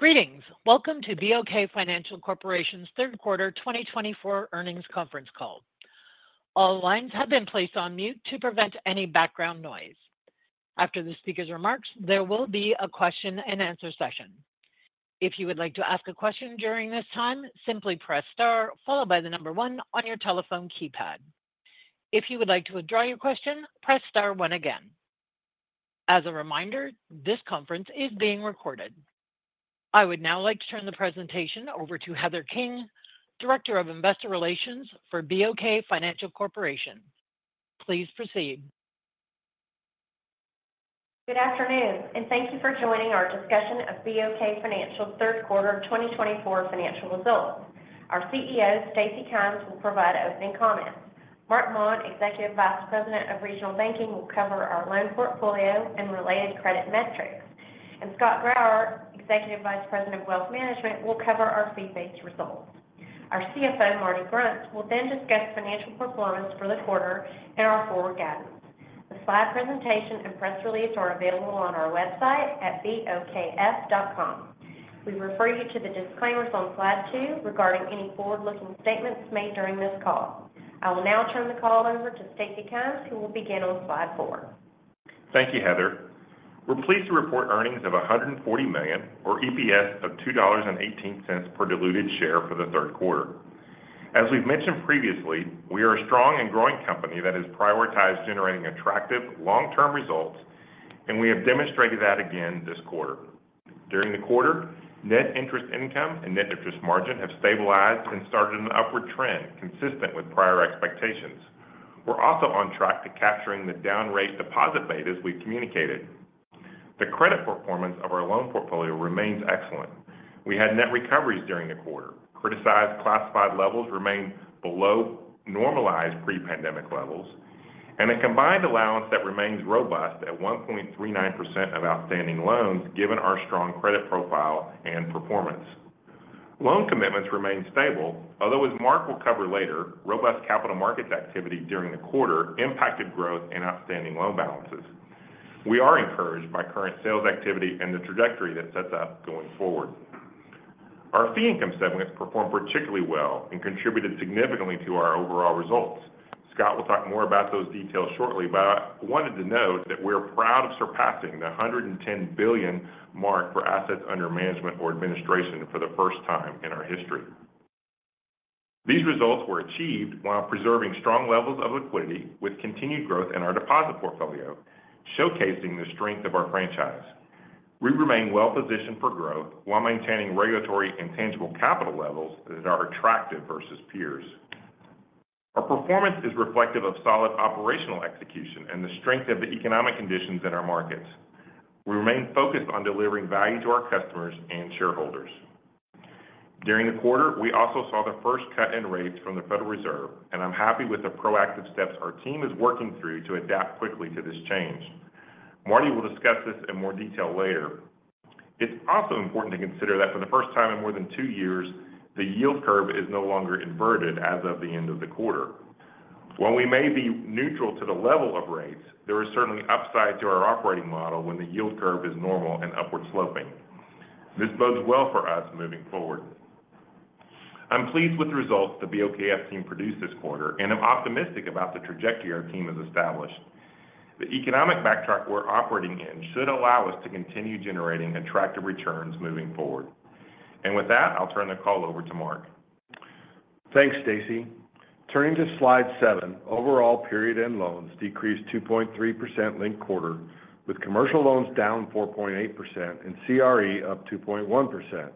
Greetings. Welcome to BOK Financial Corporation's third quarter 2024 earnings conference call. All lines have been placed on mute to prevent any background noise. After the speaker's remarks, there will be a question and answer session. If you would like to ask a question during this time, simply press star, followed by the number one on your telephone keypad. If you would like to withdraw your question, press star one again. As a reminder, this conference is being recorded. I would now like to turn the presentation over to Heather King, Director of Investor Relations for BOK Financial Corporation. Please proceed. Good afternoon, and thank you for joining our discussion of BOK Financial's third quarter of 2024 financial results. Our CEO, Stacy Kymes, will provide opening comments. Marc Maun, Executive Vice President of Regional Banking, will cover our loan portfolio and related credit metrics. Scott Grauer, Executive Vice President of Wealth Management, will cover our fee-based results. Our CFO, Martin Grunst, will then discuss financial performance for the quarter and our forward guidance. The slide presentation and press release are available on our website at bokf.com. We refer you to the disclaimers on slide two regarding any forward-looking statements made during this call. I will now turn the call over to Stacy Kymes, who will begin on slide four. Thank you, Heather. We're pleased to report earnings of $140 million, or EPS of $2.18 per diluted share for the third quarter. As we've mentioned previously, we are a strong and growing company that has prioritized generating attractive long-term results, and we have demonstrated that again this quarter. During the quarter, net interest income and net interest margin have stabilized and started an upward trend consistent with prior expectations. We're also on track to capturing the down rate deposit rate as we've communicated. The credit performance of our loan portfolio remains excellent. We had net recoveries during the quarter. Criticized classified levels remain below normalized pre-pandemic levels, and a combined allowance that remains robust at 1.39% of outstanding loans, given our strong credit profile and performance. Loan commitments remain stable, although as Marc will cover later, robust capital markets activity during the quarter impacted growth and outstanding loan balances. We are encouraged by current sales activity and the trajectory that sets up going forward. Our fee income segments performed particularly well and contributed significantly to our overall results. Scott will talk more about those details shortly, but I wanted to note that we're proud of surpassing the $110 billion mark for assets under management or administration for the first time in our history. These results were achieved while preserving strong levels of liquidity with continued growth in our deposit portfolio, showcasing the strength of our franchise. We remain well-positioned for growth while maintaining regulatory and tangible capital levels that are attractive versus peers. Our performance is reflective of solid operational execution and the strength of the economic conditions in our markets. We remain focused on delivering value to our customers and shareholders. During the quarter, we also saw the first cut in rates from the Federal Reserve, and I'm happy with the proactive steps our team is working through to adapt quickly to this change. Marty will discuss this in more detail later. It's also important to consider that for the first time in more than two years, the yield curve is no longer inverted as of the end of the quarter. While we may be neutral to the level of rates, there is certainly upside to our operating model when the yield curve is normal and upward sloping. This bodes well for us moving forward. I'm pleased with the results the BOKF team produced this quarter, and I'm optimistic about the trajectory our team has established. The economic backdrop we're operating in should allow us to continue generating attractive returns moving forward, and with that, I'll turn the call over to Marc. Thanks, Stacy. Turning to Slide 7, overall period-end loans decreased 2.3% linked quarter, with commercial loans down 4.8% and CRE up 2.1%.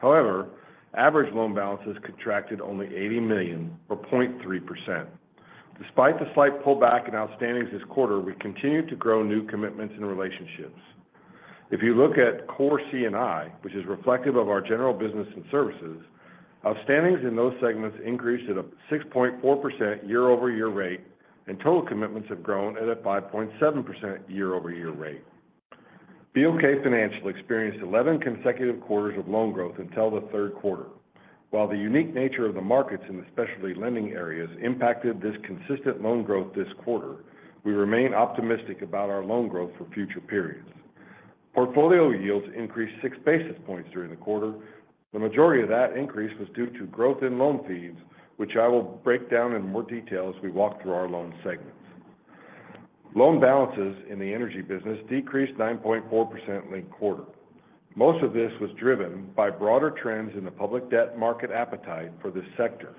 However, average loan balances contracted only $80 million, or 0.3%. Despite the slight pullback in outstandings this quarter, we continued to grow new commitments and relationships. If you look at core C&I, which is reflective of our general business and services, outstandings in those segments increased at a 6.4% year-over-year rate, and total commitments have grown at a 5.7% year-over-year rate. BOK Financial experienced 11 consecutive quarters of loan growth until the third quarter. While the unique nature of the markets in the specialty lending areas impacted this consistent loan growth this quarter, we remain optimistic about our loan growth for future periods. Portfolio yields increased six basis points during the quarter. The majority of that increase was due to growth in loan fees, which I will break down in more detail as we walk through our loan segments. Loan balances in the energy business decreased 9.4% linked quarter. Most of this was driven by broader trends in the public debt market appetite for this sector.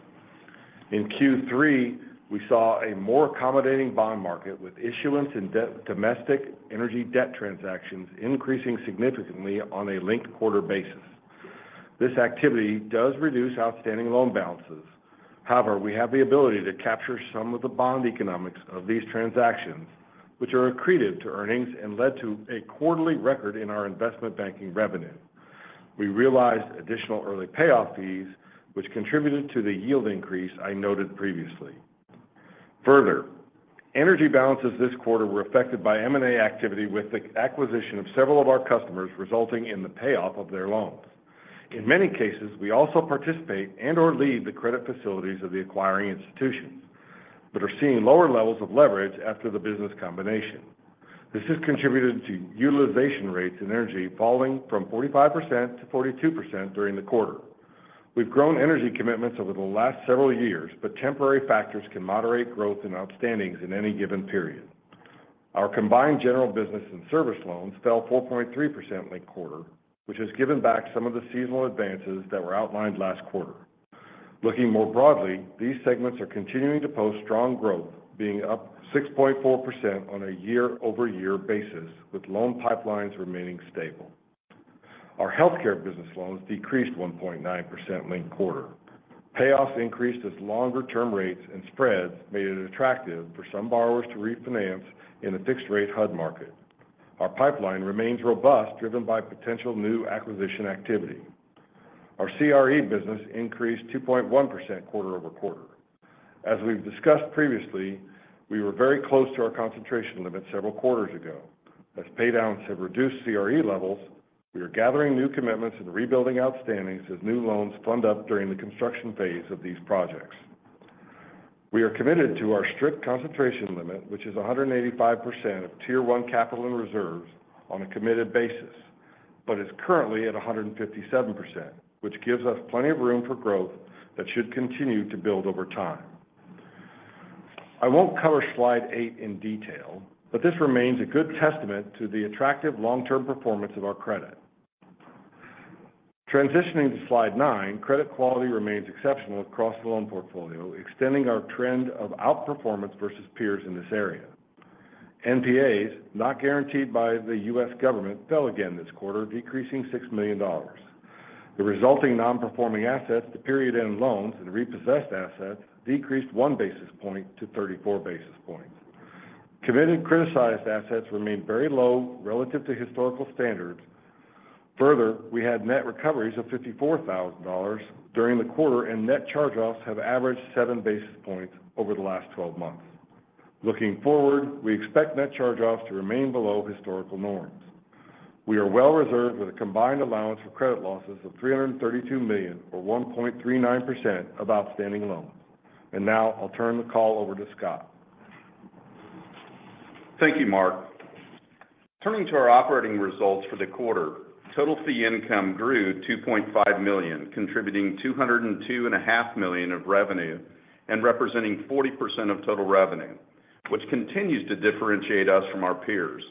In Q3, we saw a more accommodating bond market, with issuance and domestic energy debt transactions increasing significantly on a linked quarter basis. This activity does reduce outstanding loan balances. However, we have the ability to capture some of the bond economics of these transactions, which are accreted to earnings and led to a quarterly record in our investment banking revenue. We realized additional early payoff fees, which contributed to the yield increase I noted previously. Further, energy balances this quarter were affected by M&A activity, with the acquisition of several of our customers resulting in the payoff of their loans. In many cases, we also participate and/or lead the credit facilities of the acquiring institutions, but are seeing lower levels of leverage after the business combination. This has contributed to utilization rates in energy falling from 45% to 42% during the quarter. We've grown energy commitments over the last several years, but temporary factors can moderate growth in outstandings in any given period. Our combined general business and service loans fell 4.3% linked quarter, which has given back some of the seasonal advances that were outlined last quarter. Looking more broadly, these segments are continuing to post strong growth, being up 6.4% on a year-over-year basis, with loan pipelines remaining stable. Our healthcare business loans decreased 1.9% linked quarter. Payoffs increased as longer-term rates and spreads made it attractive for some borrowers to refinance in a fixed-rate HUD market. Our pipeline remains robust, driven by potential new acquisition activity. Our CRE business increased 2.1% quarter over quarter. As we've discussed previously, we were very close to our concentration limit several quarters ago. As paydowns have reduced CRE levels, we are gathering new commitments and rebuilding outstandings as new loans fund up during the construction phase of these projects. We are committed to our strict concentration limit, which is 185% of Tier 1 capital and reserves on a committed basis, but is currently at 157%, which gives us plenty of room for growth that should continue to build over time. I won't cover Slide eight in detail, but this remains a good testament to the attractive long-term performance of our credit. Transitioning to Slide nine, credit quality remains exceptional across the loan portfolio, extending our trend of outperformance versus peers in this area. NPAs, not guaranteed by the U.S. government, fell again this quarter, decreasing $6 million. The resulting non-performing assets to period-end loans and repossessed assets decreased one basis point to 34 basis points. Committed criticized assets remain very low relative to historical standards. Further, we had net recoveries of $54,000 during the quarter, and net charge-offs have averaged seven basis points over the last twelve months. Looking forward, we expect net charge-offs to remain below historical norms. We are well reserved with a combined allowance for credit losses of $332 million, or 1.39% of outstanding loans. Now I'll turn the call over to Scott. Thank you, Marc. Turning to our operating results for the quarter, total fee income grew $2.5 million, contributing $202.5 million of revenue and representing 40% of total revenue, which continues to differentiate us from our peers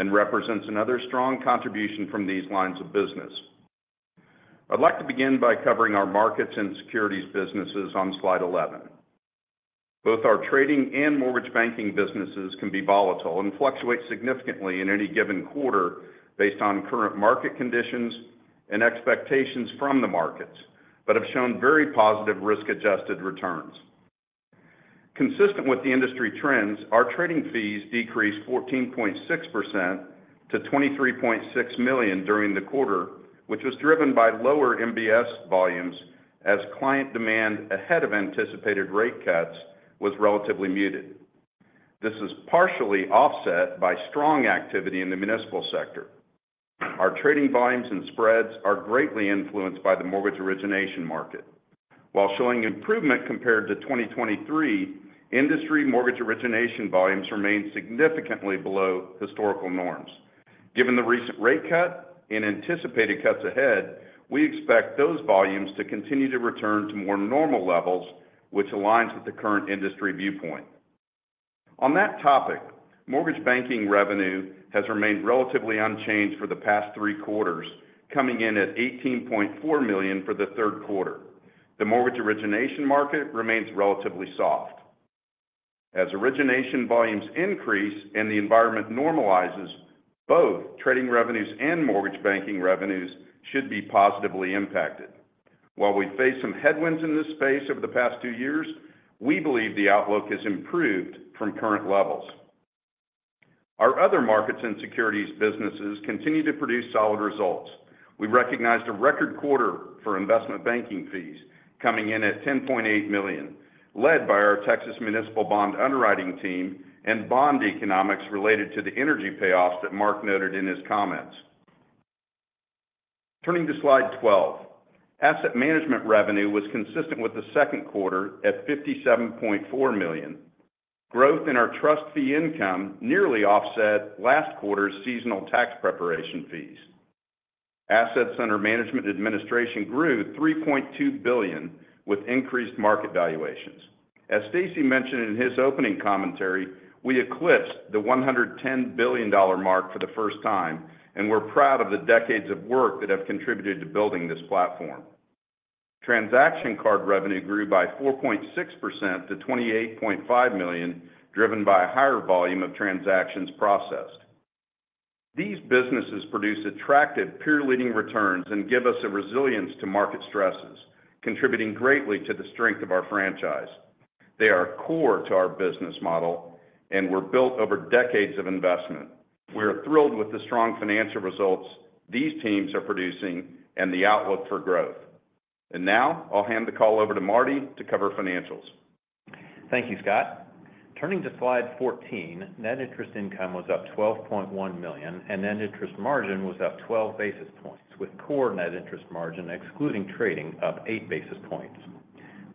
and represents another strong contribution from these lines of business. I'd like to begin by covering our markets and securities businesses on Slide 11. Both our trading and mortgage banking businesses can be volatile and fluctuate significantly in any given quarter based on current market conditions and expectations from the markets, but have shown very positive risk-adjusted returns. Consistent with the industry trends, our trading fees decreased 14.6% to $23.6 million during the quarter, which was driven by lower MBS volumes as client demand ahead of anticipated rate cuts was relatively muted. This is partially offset by strong activity in the municipal sector. Our trading volumes and spreads are greatly influenced by the mortgage origination market. While showing improvement compared to 2023, industry mortgage origination volumes remain significantly below historical norms. Given the recent rate cut and anticipated cuts ahead, we expect those volumes to continue to return to more normal levels, which aligns with the current industry viewpoint. On that topic, mortgage banking revenue has remained relatively unchanged for the past three quarters, coming in at $18.4 million for the third quarter. The mortgage origination market remains relatively soft. As origination volumes increase and the environment normalizes, both trading revenues and mortgage banking revenues should be positively impacted. While we face some headwinds in this space over the past two years, we believe the outlook has improved from current levels. Our other markets and securities businesses continue to produce solid results. We recognized a record quarter for investment banking fees coming in at $10.8 million, led by our Texas Municipal Bond underwriting team and bond economics related to the energy payoffs that Mark noted in his comments. Turning to Slide 12. Asset management revenue was consistent with the second quarter at $57.4 million. Growth in our trust fee income nearly offset last quarter's seasonal tax preparation fees. Assets under management and administration grew $3.2 billion with increased market valuations. As Stacy mentioned in his opening commentary, we eclipsed the $110 billion mark for the first time, and we're proud of the decades of work that have contributed to building this platform. Transaction card revenue grew by 4.6% to $28.5 million, driven by a higher volume of transactions processed. These businesses produce attractive peer-leading returns and give us a resilience to market stresses, contributing greatly to the strength of our franchise. They are core to our business model and were built over decades of investment. We are thrilled with the strong financial results these teams are producing and the outlook for growth. And now I'll hand the call over to Marty to cover financials. Thank you, Scott. ... Turning to slide 14, net interest income was up $12.1 million, and net interest margin was up 12 basis points, with core net interest margin excluding trading up eight basis points.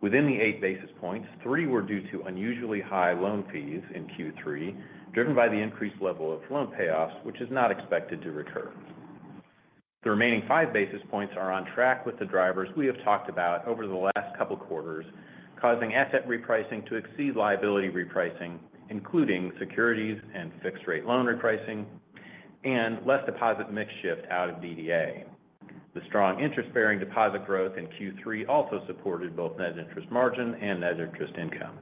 Within the eight basis points, 3 were due to unusually high loan fees in Q3, driven by the increased level of loan payoffs, which is not expected to recur. The remaining five basis points are on track with the drivers we have talked about over the last couple quarters, causing asset repricing to exceed liability repricing, including securities and fixed rate loan repricing and less deposit mix shift out of DDA. The strong interest bearing deposit growth in Q3 also supported both net interest margin and net interest income.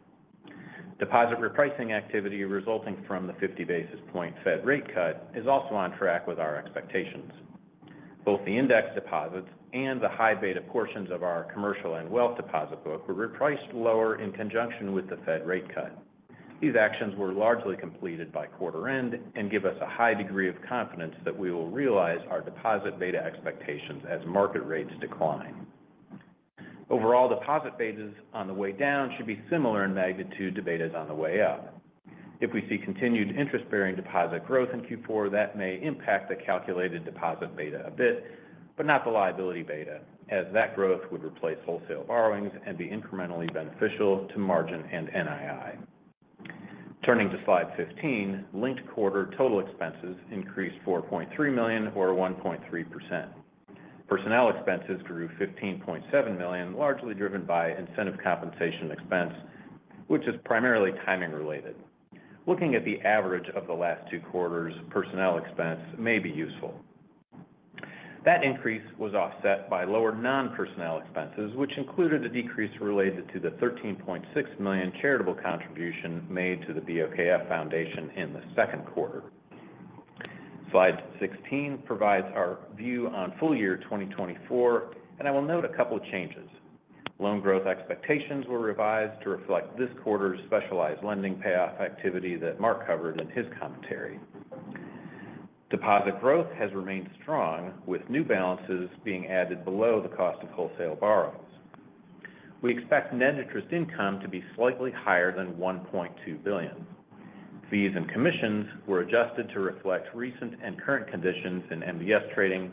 Deposit repricing activity resulting from the 50 basis point Fed rate cut is also on track with our expectations. Both the index deposits and the high beta portions of our commercial and wealth deposit book were repriced lower in conjunction with the Fed rate cut. These actions were largely completed by quarter end and give us a high degree of confidence that we will realize our deposit beta expectations as market rates decline. Overall, deposit betas on the way down should be similar in magnitude to betas on the way up. If we see continued interest-bearing deposit growth in Q4, that may impact the calculated deposit beta a bit, but not the liability beta, as that growth would replace wholesale borrowings and be incrementally beneficial to margin and NII. Turning to slide 15, linked quarter total expenses increased $4.3 million or 1.3%. Personnel expenses grew $15.7 million, largely driven by incentive compensation expense, which is primarily timing related. Looking at the average of the last two quarters, personnel expense may be useful. That increase was offset by lower non-personnel expenses, which included a decrease related to the $13.6 million charitable contribution made to the BOKF Foundation in the second quarter. Slide 16 provides our view on full year 2024, and I will note a couple of changes. Loan growth expectations were revised to reflect this quarter's specialized lending payoff activity that Marc covered in his commentary. Deposit growth has remained strong, with new balances being added below the cost of wholesale borrowings. We expect net interest income to be slightly higher than $1.2 billion. Fees and commissions were adjusted to reflect recent and current conditions in MBS trading,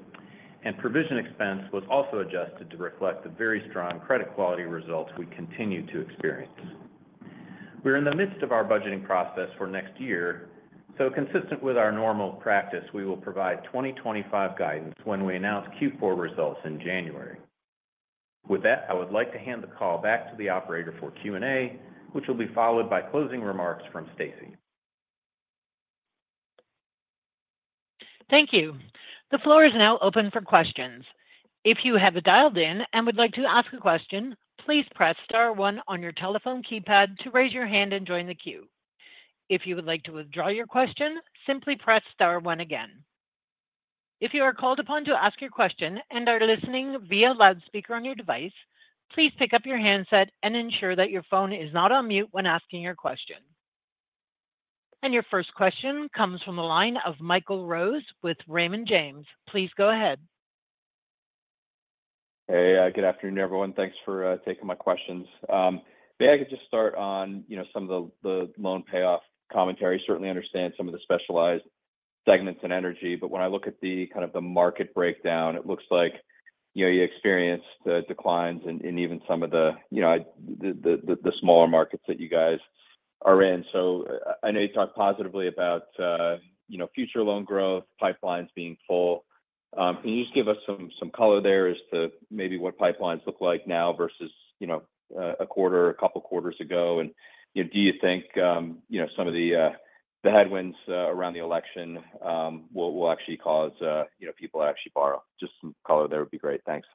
and provision expense was also adjusted to reflect the very strong credit quality results we continue to experience. We're in the midst of our budgeting process for next year, so consistent with our normal practice, we will provide 2025 guidance when we announce Q4 results in January. With that, I would like to hand the call back to the operator for Q&A, which will be followed by closing remarks from Stacy. Thank you. The floor is now open for questions. If you have dialed in and would like to ask a question, please press star one on your telephone keypad to raise your hand and join the queue. If you would like to withdraw your question, simply press star one again. If you are called upon to ask your question and are listening via loudspeaker on your device, please pick up your handset and ensure that your phone is not on mute when asking your question. And your first question comes from the line of Michael Rose with Raymond James. Please go ahead. Hey, good afternoon, everyone. Thanks for taking my questions. Maybe I could just start on, you know, some of the loan payoff commentary. Certainly understand some of the specialized segments in energy, but when I look at the kind of market breakdown, it looks like, you know, you experienced the declines and even some of the, you know, the smaller markets that you guys are in. So I know you talked positively about, you know, future loan growth, pipelines being full. Can you just give us some color there as to maybe what pipelines look like now versus, you know, a quarter or a couple quarters ago? You know, do you think, you know, some of the headwinds around the election will actually cause, you know, people to actually borrow? Just some color there would be great. Thanks.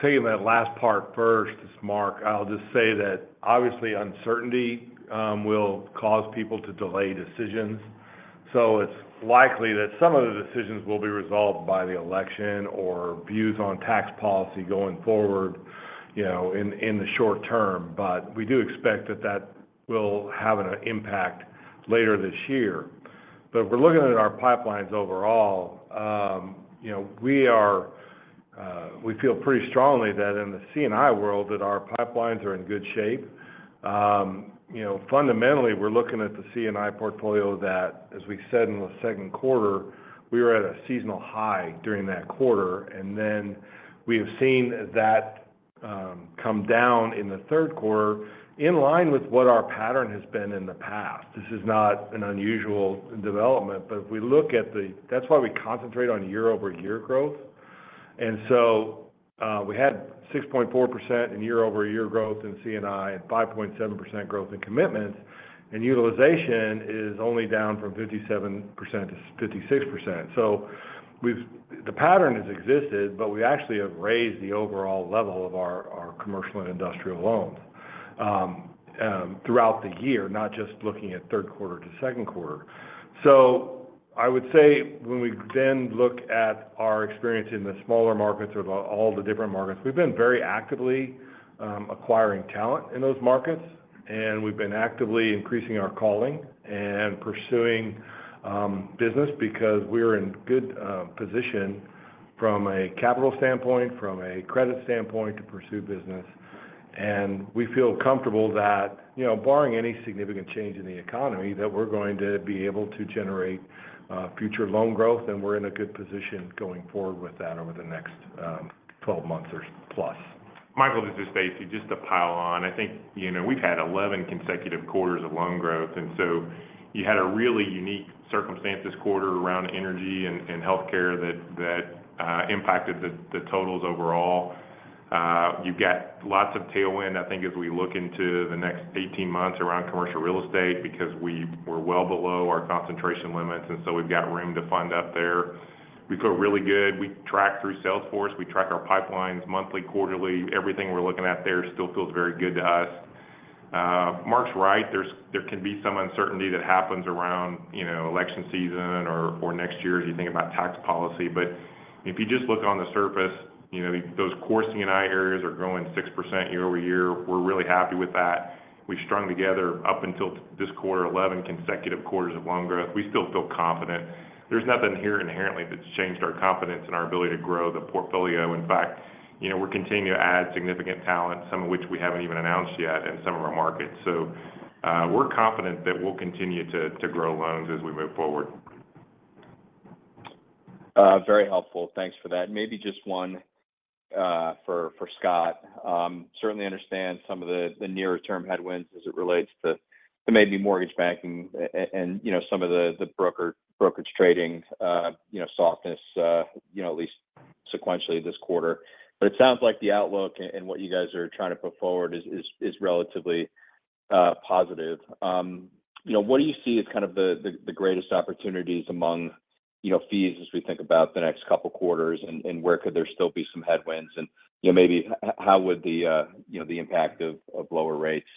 Taking that last part first, it's Marc. I'll just say that obviously uncertainty will cause people to delay decisions. So it's likely that some of the decisions will be resolved by the election or views on tax policy going forward, you know, in the short term. But we do expect that that will have an impact later this year. But we're looking at our pipelines overall. You know, we feel pretty strongly that in the C&I world, that our pipelines are in good shape. You know, fundamentally, we're looking at the C&I portfolio that, as we said in the second quarter, we were at a seasonal high during that quarter, and then we have seen that come down in the third quarter in line with what our pattern has been in the past. This is not an unusual development, but if we look at the, that's why we concentrate on year-over-year growth. And so, we had 6.4% in year-over-year growth in C&I and 5.7% growth in commitments, and utilization is only down from 57% to 56%. So we've, the pattern has existed, but we actually have raised the overall level of our commercial and industrial loans throughout the year, not just looking at third quarter to second quarter. So I would say when we then look at our experience in the smaller markets or all the different markets, we've been very actively acquiring talent in those markets, and we've been actively increasing our calling and pursuing business because we're in good position.... from a capital standpoint, from a credit standpoint, to pursue business. And we feel comfortable that, you know, barring any significant change in the economy, that we're going to be able to generate future loan growth, and we're in a good position going forward with that over the next 12 or plus. Michael, this is Stacy. Just to pile on, I think, you know, we've had eleven consecutive quarters of loan growth, and so you had a really unique circumstances quarter around energy and healthcare that impacted the totals overall. You've got lots of tailwind, I think, as we look into the next 18 months around commercial real estate, because we're well below our concentration limits, and so we've got room to fund up there. We feel really good. We track through Salesforce. We track our pipelines monthly, quarterly. Everything we're looking at there still feels very good to us. Marc's right, there can be some uncertainty that happens around, you know, election season or next year, as you think about tax policy. But if you just look on the surface, you know, those core C&I areas are growing 6% year-over-year. We're really happy with that. We've strung together, up until this quarter, 11 consecutive quarters of loan growth. We still feel confident. There's nothing here inherently that's changed our confidence and our ability to grow the portfolio. In fact, you know, we're continuing to add significant talent, some of which we haven't even announced yet in some of our markets. So, we're confident that we'll continue to grow loans as we move forward. Very helpful. Thanks for that. Maybe just one for Scott. Certainly understand some of the nearer term headwinds as it relates to maybe mortgage banking and, you know, some of the brokerage trading, you know, softness, you know, at least sequentially this quarter. But it sounds like the outlook and what you guys are trying to put forward is relatively positive. You know, what do you see as kind of the greatest opportunities among, you know, fees as we think about the next couple quarters? And where could there still be some headwinds? And, you know, maybe how would the, you know, the impact of lower rates...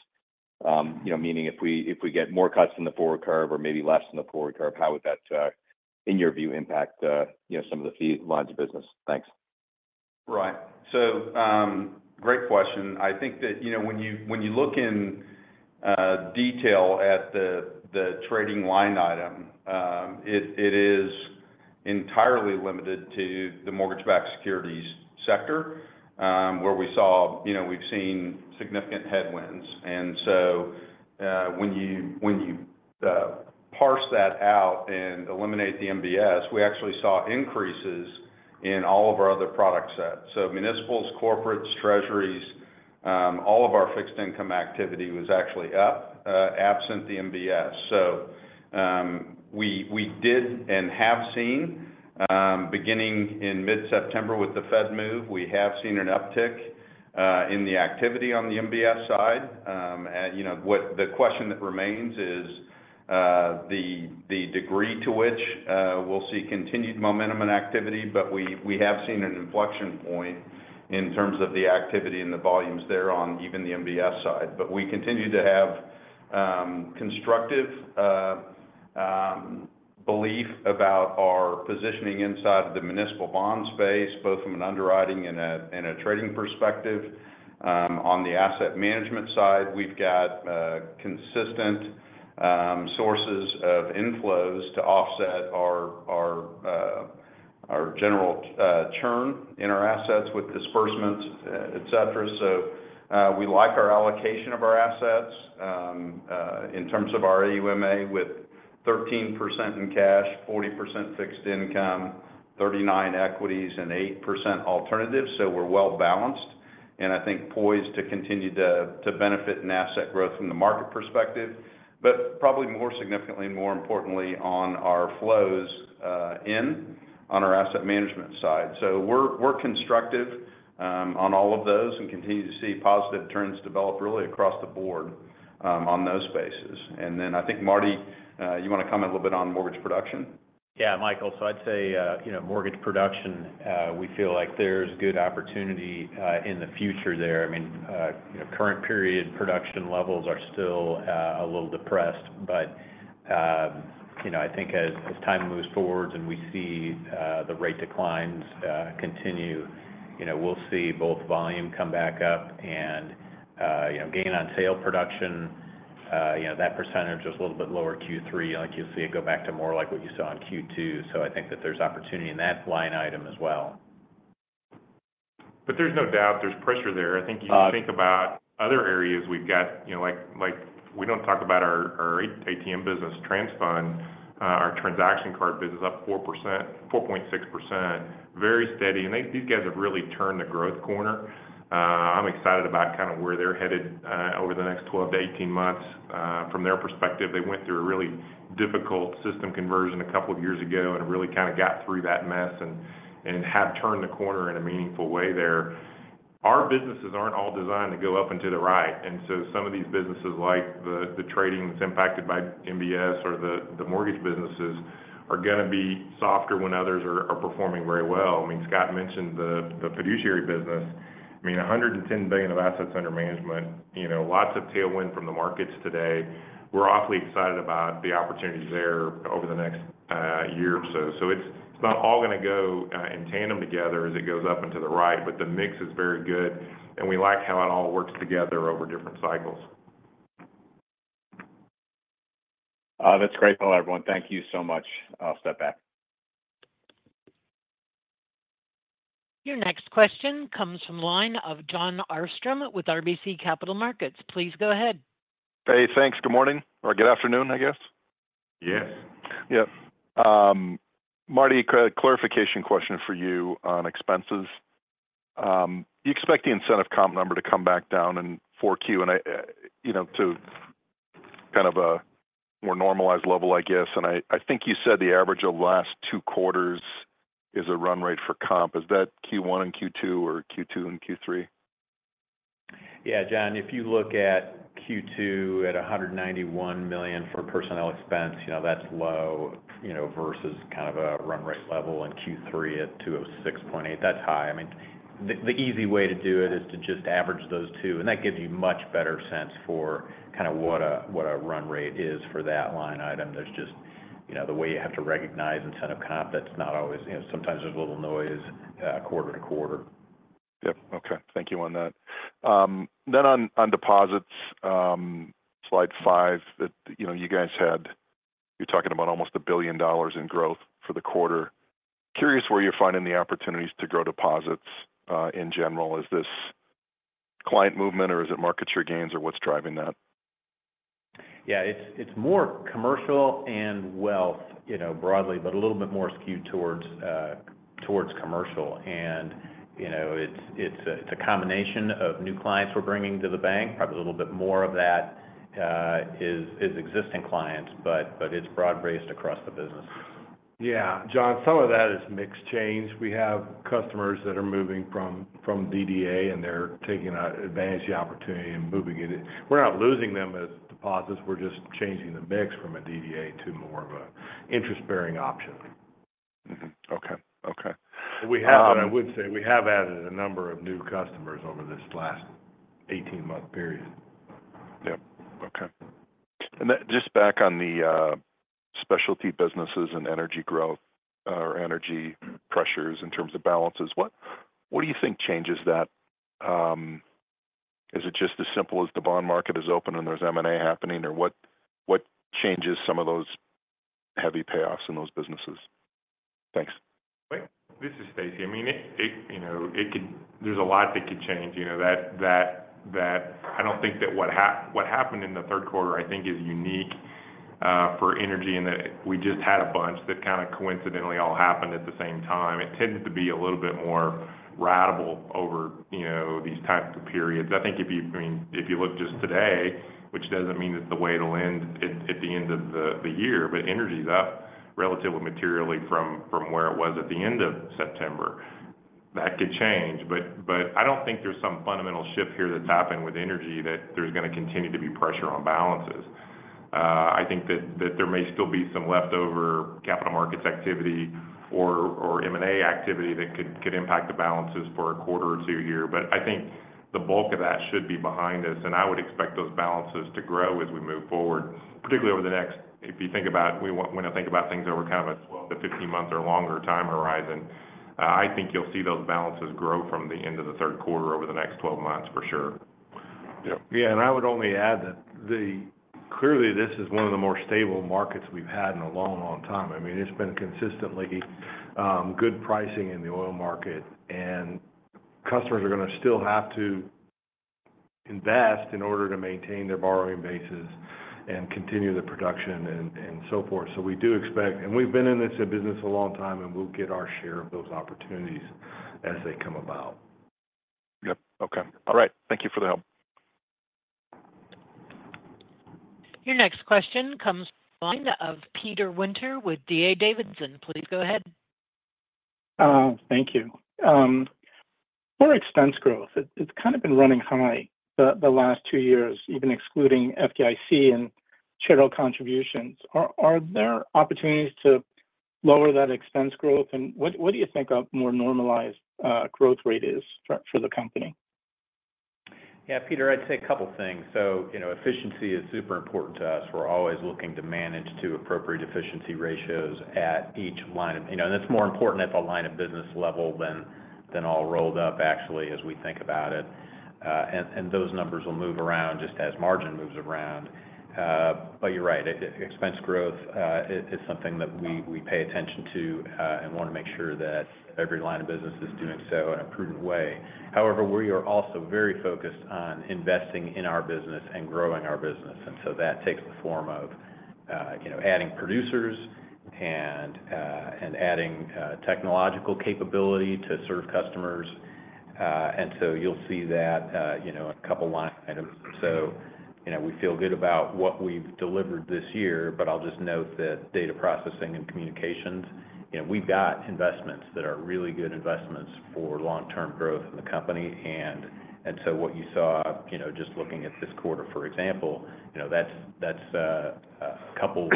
You know, meaning, if we, if we get more cuts in the forward curve or maybe less in the forward curve, how would that, in your view, impact, you know, some of the fee lines of business? Thanks. Right. So, great question. I think that, you know, when you look in detail at the trading line item, it is entirely limited to the mortgage-backed securities sector, where we saw, you know, we've seen significant headwinds. And so, when you parse that out and eliminate the MBS, we actually saw increases in all of our other product sets. So municipals, corporates, treasuries, all of our fixed income activity was actually up, absent the MBS. So, we did and have seen, beginning in mid-September with the Fed move, we have seen an uptick in the activity on the MBS side. You know, what the question that remains is the degree to which we'll see continued momentum and activity, but we have seen an inflection point in terms of the activity and the volumes there on even the MBS side. But we continue to have constructive belief about our positioning inside the municipal bond space, both from an underwriting and a trading perspective. On the asset management side, we've got consistent sources of inflows to offset our general churn in our assets with disbursements, et cetera. So, we like our allocation of our assets in terms of our AUMA, with 13% in cash, 40% fixed income, 39% equities, and 8% alternatives. So we're well-balanced, and I think poised to continue to benefit in asset growth from the market perspective, but probably more significantly, more importantly, on our flows in our asset management side. So we're constructive on all of those and continue to see positive trends develop really across the board on those spaces. And then I think, Marty, you want to comment a little bit on mortgage production? Yeah, Michael. So I'd say, you know, mortgage production, we feel like there's good opportunity in the future there. I mean, current period production levels are still a little depressed, but, you know, I think as time moves forward and we see the rate declines continue, you know, we'll see both volume come back up and, you know, gain on sale production. You know, that percentage was a little bit lower Q3. I think you'll see it go back to more like what you saw in Q2. So I think that there's opportunity in that line item as well. But there's no doubt there's pressure there. Uh- I think you think about other areas we've got, you know, like, we don't talk about our ATM business, TransFund, our transaction card business is up 4%, 4.6%, very steady. And these guys have really turned the growth corner. I'm excited about kind of where they're headed over the next 12 to 18 months. From their perspective, they went through a really difficult system conversion a couple of years ago, and really kind of got through that mess and have turned the corner in a meaningful way there. Our businesses aren't all designed to go up and to the right, and so some of these businesses, like the trading that's impacted by MBS or the mortgage businesses, are going to be softer when others are performing very well. I mean, Scott mentioned the fiduciary business. I mean, a hundred and ten billion of assets under management, you know, lots of tailwind from the markets today. We're awfully excited about the opportunities there over the next year or so. So it's not all going to go in tandem together as it goes up and to the right, but the mix is very good, and we like how it all works together over different cycles. That's great. Well, everyone, thank you so much. I'll step back. Your next question comes from line of Jon Arfstrom with RBC Capital Markets. Please go ahead. Hey, thanks. Good morning or good afternoon, I guess? Yes. Yeah. Marty, clarification question for you on expenses. You expect the incentive comp number to come back down in Q4, and I, you know, to kind of a more normalized level, I guess. And I think you said the average over the last two quarters is a run rate for comp. Is that Q1 and Q2 or Q2 and Q3? Yeah, John, if you look at Q2 at $191 million for personnel expense, you know, that's low, you know, versus kind of a run rate level in Q3 at $206.8 million. That's high. I mean, the easy way to do it is to just average those two, and that gives you much better sense for kind of what a run rate is for that line item. There's just, you know, the way you have to recognize incentive comp, that's not always, you know, sometimes there's a little noise quarter-to-quarter. Yep. Okay. Thank you on that. Then on deposits, slide five, that you know you guys had. You're talking about almost $1 billion in growth for the quarter. Curious where you're finding the opportunities to grow deposits, in general. Is this client movement, or is it market share gains, or what's driving that? Yeah, it's more commercial and wealth, you know, broadly, but a little bit more skewed towards commercial. And, you know, it's a combination of new clients we're bringing to the bank. Probably, a little bit more of that is existing clients, but it's broad-based across the business. Yeah, Jon, some of that is mix change. We have customers that are moving from DDA, and they're taking advantage of the opportunity and moving it. We're not losing them as deposits. We're just changing the mix from a DDA to more of a interest-bearing option. Mm-hmm. Okay. Okay. We have, but I would say, we have added a number of new customers over this last eighteen-month period. Yep. Okay. And then just back on the specialty businesses and energy growth, or energy pressures in terms of balances, what, what do you think changes that? Is it just as simple as the bond market is open and there's M&A happening, or what, what changes some of those heavy payoffs in those businesses? Thanks. This is Stacy. I mean, you know, it could. There's a lot that could change. You know, I don't think that what happened in the third quarter, I think is unique for energy, in that we just had a bunch that kind of coincidentally all happened at the same time. It tends to be a little bit more ratable over, you know, these types of periods. I think if you, I mean, if you look just today, which doesn't mean it's the way it'll end at the end of the year, but energy is up relatively materially from where it was at the end of September. That could change, but I don't think there's some fundamental shift here that's happened with energy, that there's going to continue to be pressure on balances. I think that there may still be some leftover capital markets activity or M&A activity that could impact the balances for a quarter or two here. But I think the bulk of that should be behind us, and I would expect those balances to grow as we move forward, particularly over the next kind of 15 months or longer time horizon. I think you'll see those balances grow from the end of the third quarter over the next 12 months, for sure. Yep. Yeah, and I would only add that clearly, this is one of the more stable markets we've had in a long, long time. I mean, it's been consistently good pricing in the oil market, and customers are going to still have to invest in order to maintain their borrowing bases and continue the production and so forth. So we do expect, and we've been in this business a long time, and we'll get our share of those opportunities as they come about. Yep. Okay. All right. Thank you for the help. Your next question comes from the line of Peter Winter with D.A. Davidson. Please go ahead. Thank you. For expense growth, it's kind of been running high the last two years, even excluding FDIC and shareholder contributions. Are there opportunities to lower that expense growth? And what do you think a more normalized growth rate is for the company? Yeah, Peter, I'd say a couple of things. So, you know, efficiency is super important to us. We're always looking to manage to appropriate efficiency ratios. You know, and it's more important at the line of business level than all rolled up actually, as we think about it, and those numbers will move around just as margin moves around. But you're right. Expense growth is something that we pay attention to and want to make sure that every line of business is doing so in a prudent way. However, we are also very focused on investing in our business and growing our business, and so that takes the form of, you know, adding producers and adding technological capability to serve customers. And so you'll see that, you know, in a couple of line items. So, you know, we feel good about what we've delivered this year, but I'll just note that data processing and communications, you know, we've got investments that are really good investments for long-term growth in the company. And so what you saw, you know, just looking at this quarter, for example, you know, that's a couple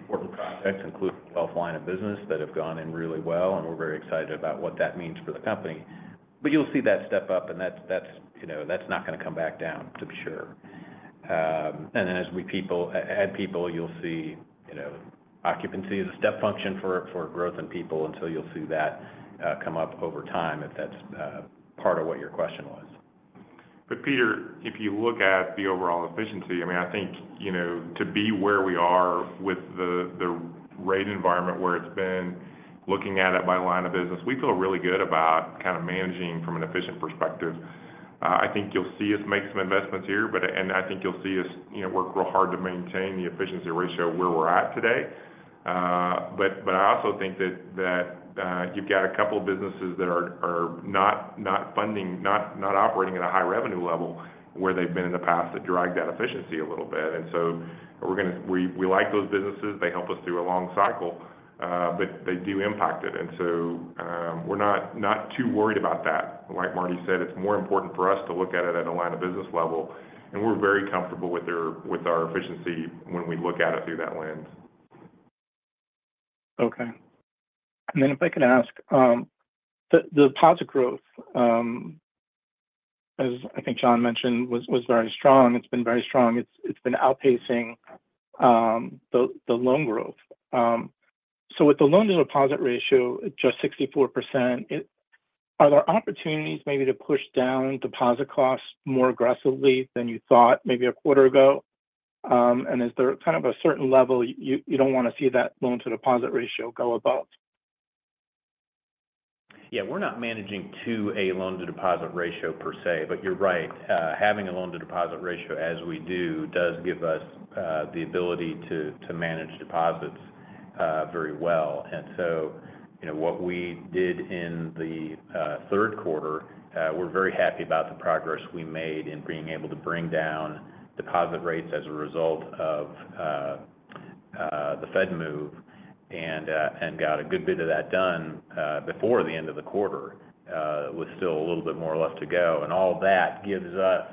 important projects, including wealth line of business, that have gone in really well, and we're very excited about what that means for the company. But you'll see that step up, and that's, you know, that's not going to come back down, for sure. And then as we add people, you'll see, you know, occupancy is a step function for growth in people, and so you'll see that come up over time, if that's part of what your question was.... But Peter, if you look at the overall efficiency, I mean, I think, you know, to be where we are with the rate environment, where it's been, looking at it by line of business, we feel really good about kind of managing from an efficient perspective. I think you'll see us make some investments here, but and I think you'll see us, you know, work real hard to maintain the efficiency ratio where we're at today. But I also think that you've got a couple of businesses that are not operating at a high revenue level, where they've been in the past, that drag that efficiency a little bit. And so we're gonna. We like those businesses. They help us through a long cycle, but they do impact it. We're not too worried about that. Like Marty said, it's more important for us to look at it at a line of business level, and we're very comfortable with our efficiency when we look at it through that lens. Okay. And then, if I could ask, the deposit growth, as I think Jon mentioned, was very strong. It's been very strong. It's been outpacing the loan growth. So with the loan-to-deposit ratio at just 64%, it-- are there opportunities maybe to push down deposit costs more aggressively than you thought maybe a quarter ago? And is there kind of a certain level you don't want to see that loan-to-deposit ratio go above? Yeah, we're not managing to a loan-to-deposit ratio per se, but you're right. Having a loan-to-deposit ratio as we do does give us the ability to manage deposits very well. And so, you know, what we did in the third quarter, we're very happy about the progress we made in being able to bring down deposit rates as a result of the Fed move, and got a good bit of that done before the end of the quarter. With still a little bit more or less to go. And all of that gives us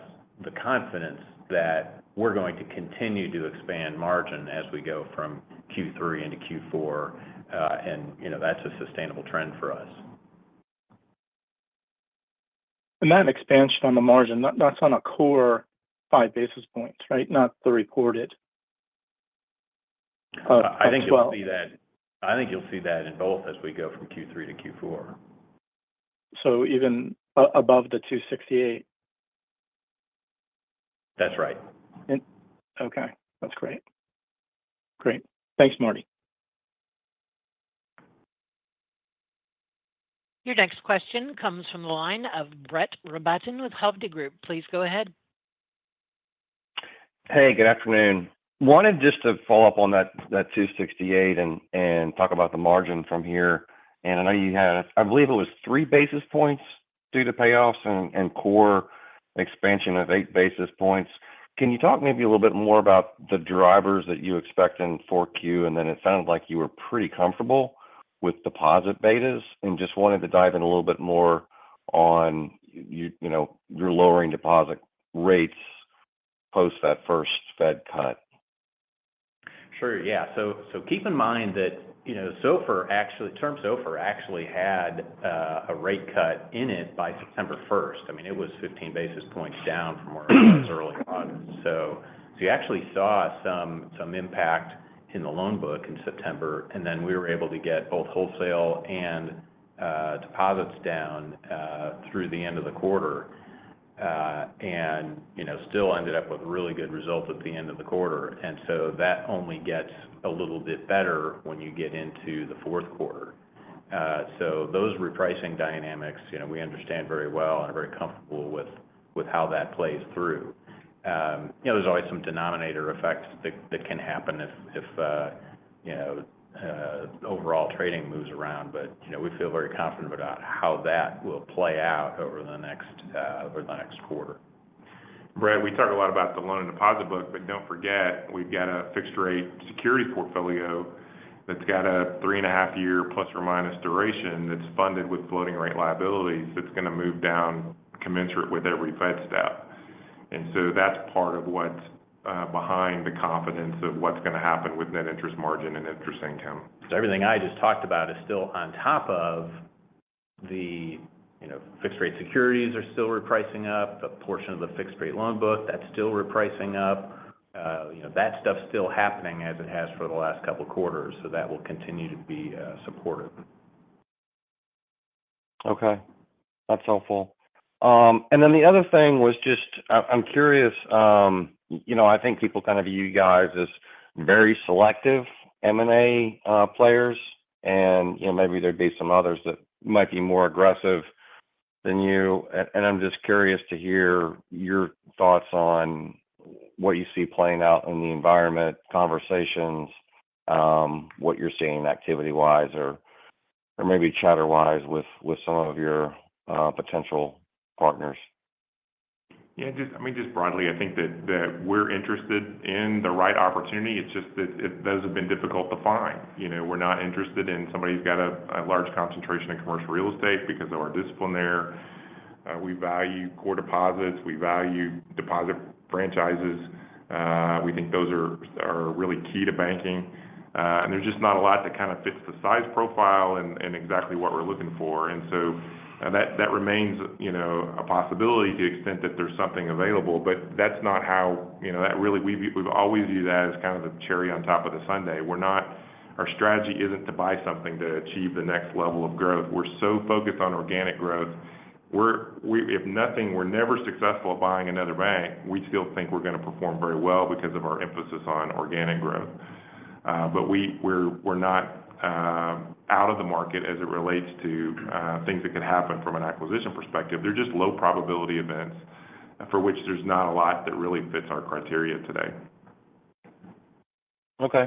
the confidence that we're going to continue to expand margin as we go from Q3 into Q4, and, you know, that's a sustainable trend for us. And that expansion on the margin, that's on a core five basis points, right? Not the reported. I think you'll see that, I think you'll see that in both as we go from Q3 to Q4. So even above the 268? That's right. Okay. That's great. Great. Thanks, Marty. Your next question comes from the line of Brett Rabatin with Hovde Group. Please go ahead. Hey, good afternoon. Wanted just to follow up on that 268 and talk about the margin from here. And I know you had, I believe it was three basis points due to payoffs and core expansion of eight basis points. Can you talk maybe a little bit more about the drivers that you expect in 4Q? And then it sounded like you were pretty comfortable with deposit betas, and just wanted to dive in a little bit more on you, you know, you're lowering deposit rates post that first Fed cut. Sure. Yeah. So keep in mind that, you know, SOFR actually, Term SOFR actually had a rate cut in it by September first. I mean, it was 15 basis points down from where it was early on. So you actually saw some impact in the loan book in September, and then we were able to get both wholesale and deposits down through the end of the quarter. And, you know, still ended up with really good results at the end of the quarter. And so that only gets a little bit better when you get into the fourth quarter. So those repricing dynamics, you know, we understand very well and are very comfortable with how that plays through. You know, there's always some denominator effects that can happen if, you know, overall trading moves around. But, you know, we feel very confident about how that will play out over the next quarter. Brett, we talked a lot about the loan and deposit book, but don't forget, we've got a fixed rate security portfolio that's got a three and a half year plus or minus duration, that's funded with floating rate liabilities, that's going to move down commensurate with every Fed step. And so that's part of what's behind the confidence of what's going to happen with net interest margin and interest income. So everything I just talked about is still on top of the, you know, fixed rate securities are still repricing up. A portion of the fixed rate loan book, that's still repricing up. You know, that stuff's still happening as it has for the last couple of quarters, so that will continue to be supportive. Okay. That's helpful. And then the other thing was just... I'm curious, you know, I think people kind of view you guys as very selective M&A players, and, you know, maybe there'd be some others that might be more aggressive than you. And I'm just curious to hear your thoughts on what you see playing out in the environment, conversations, what you're seeing activity-wise or maybe chatter-wise with some of your potential partners. Yeah, just, I mean, just broadly, I think that we're interested in the right opportunity. It's just that those have been difficult to find. You know, we're not interested in somebody who's got a large concentration in commercial real estate because of our discipline there. We value core deposits, we value deposit franchises. We think those are really key to banking. And there's just not a lot that kind of fits the size profile and exactly what we're looking for. And so, that remains, you know, a possibility to the extent that there's something available. But that's not how, you know, that really we've always viewed that as kind of the cherry on top of the sundae. Our strategy isn't to buy something to achieve the next level of growth. We're so focused on organic growth. If nothing, we're never successful at buying another bank. We still think we're gonna perform very well because of our emphasis on organic growth. But we're not out of the market as it relates to things that could happen from an acquisition perspective. They're just low probability events for which there's not a lot that really fits our criteria today. Okay,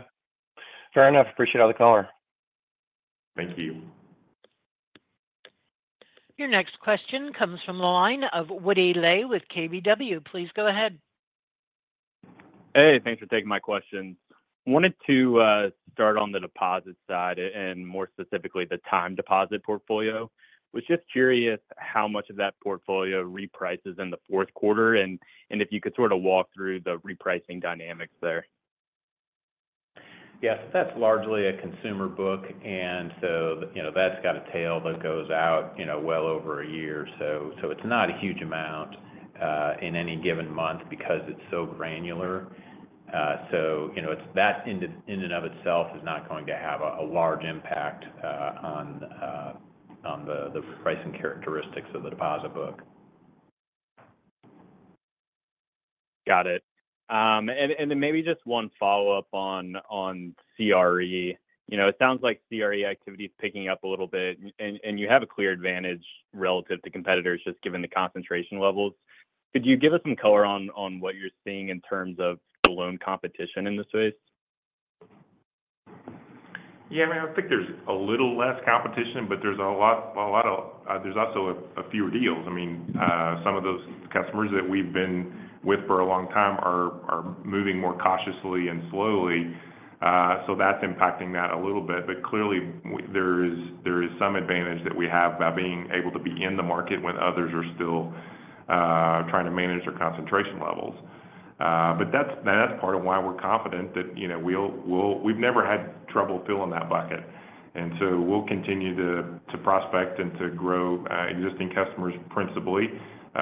fair enough. Appreciate all the color. Thank you. Your next question comes from the line of Woody Lay with KBW. Please go ahead. Hey, thanks for taking my question. Wanted to start on the deposit side, and more specifically, the time deposit portfolio. Was just curious how much of that portfolio reprices in the fourth quarter, and if you could sort of walk through the repricing dynamics there. Yes, that's largely a consumer book, and so, you know, that's got a tail that goes out, you know, well over a year. So, it's not a huge amount in any given month because it's so granular. So, you know, it's that in and of itself is not going to have a large impact on the pricing characteristics of the deposit book. Got it. And then maybe just one follow-up on CRE. You know, it sounds like CRE activity is picking up a little bit, and you have a clear advantage relative to competitors, just given the concentration levels. Could you give us some color on what you're seeing in terms of the loan competition in this space? Yeah, I mean, I think there's a little less competition, but there's a lot of there's also a fewer deals. I mean, some of those customers that we've been with for a long time are moving more cautiously and slowly, so that's impacting that a little bit. But clearly, there is some advantage that we have by being able to be in the market when others are still trying to manage their concentration levels. But that's part of why we're confident that, you know, we'll we've never had trouble filling that bucket. And so we'll continue to prospect and to grow existing customers, principally,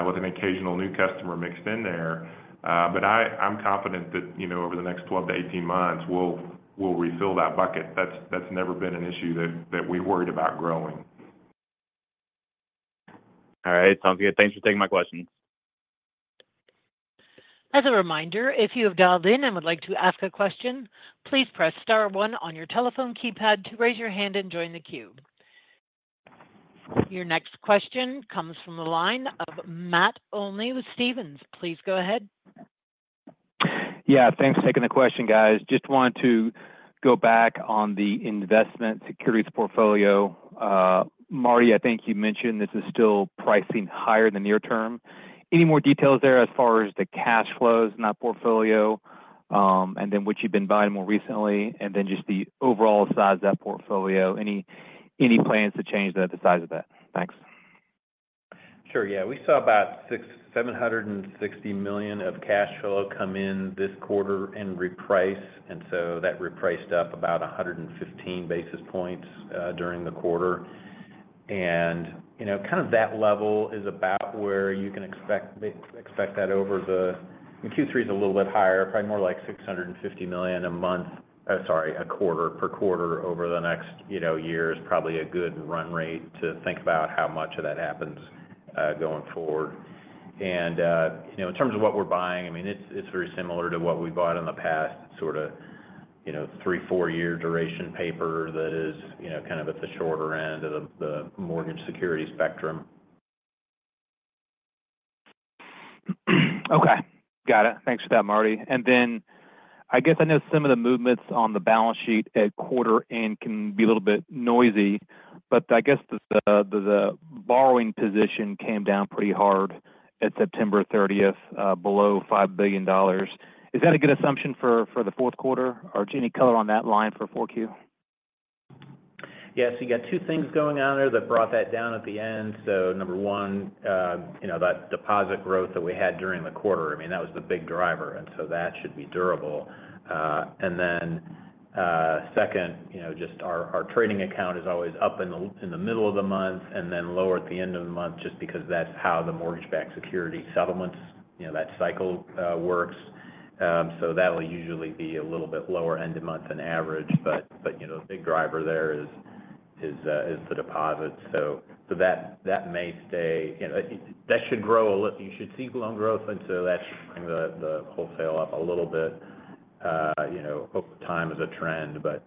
with an occasional new customer mixed in there. But I'm confident that, you know, over the next 12 to 18 months, we'll refill that bucket. That's never been an issue that we worried about growing. All right. Sounds good. Thanks for taking my question. As a reminder, if you have dialed in and would like to ask a question, please press star one on your telephone keypad to raise your hand and join the queue. Your next question comes from the line of Matt Olney with Stephens. Please go ahead. Yeah, thanks for taking the question, guys. Just wanted to go back on the investment securities portfolio. Marty, I think you mentioned this is still pricing higher than near term. Any more details there as far as the cash flows in that portfolio, and then what you've been buying more recently, and then just the overall size of that portfolio? Any plans to change the size of that? Thanks. Sure. Yeah, we saw about $760 million of cash flow come in this quarter and reprice, and so that repriced up about 115 basis points during the quarter. And, you know, kind of that level is about where you can expect that over the Q3 is a little bit higher, probably more like $650 million a month, sorry, a quarter, per quarter over the next, you know, year is probably a good run rate to think about how much of that happens going forward. And, you know, in terms of what we're buying, I mean, it's very similar to what we bought in the past, sorta, you know, three, four-year duration paper that is, you know, kind of at the shorter end of the mortgage security spectrum. Okay. Got it. Thanks for that, Marty. And then, I guess I know some of the movements on the balance sheet at quarter end can be a little bit noisy, but I guess the borrowing position came down pretty hard at September 30th, below $5 billion. Is that a good assumption for the fourth quarter, or any color on that line for four Q? Yes, you got two things going on there that brought that down at the end. So number one, you know, that deposit growth that we had during the quarter, I mean, that was the big driver, and so that should be durable. And then, second, you know, just our trading account is always up in the middle of the month and then lower at the end of the month, just because that's how the mortgage-backed security settlements, you know, that cycle works. So that will usually be a little bit lower end of month on average. But, you know, the big driver there is the deposit. So that may stay, you know, that should grow a little. You should see loan growth, and so that should bring the wholesale up a little bit, you know, over time as a trend. But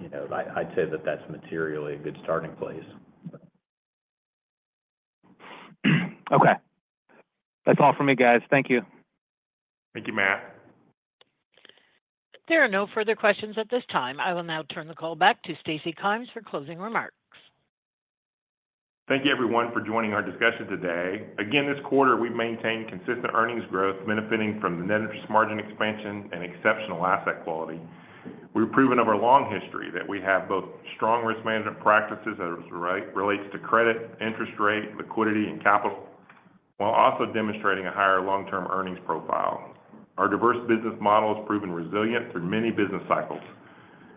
you know, I'd say that that's materially a good starting place. Okay. That's all for me, guys. Thank you. Thank you, Matt. There are no further questions at this time. I will now turn the call back to Stacy Kymes for closing remarks. Thank you, everyone, for joining our discussion today. Again, this quarter, we've maintained consistent earnings growth, benefiting from the net interest margin expansion and exceptional asset quality. We've proven over a long history that we have both strong risk management practices as it relates to credit, interest rate, liquidity, and capital, while also demonstrating a higher long-term earnings profile. Our diverse business model has proven resilient through many business cycles.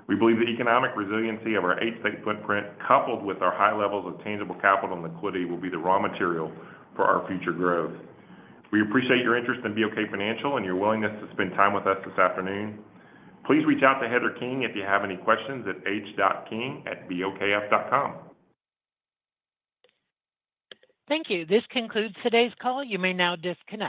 We believe the economic resiliency of our eight-state footprint, coupled with our high levels of tangible capital and liquidity, will be the raw material for our future growth. We appreciate your interest in BOK Financial and your willingness to spend time with us this afternoon. Please reach out to Heather King if you have any questions at h.king@bokf.com. Thank you. This concludes today's call. You may now disconnect.